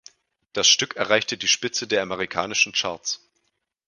Das Stück erreichte die Spitze der amerikanischen Charts.